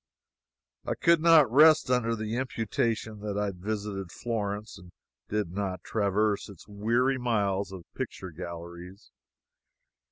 I could not rest under the imputation that I visited Florence and did not traverse its weary miles of picture galleries.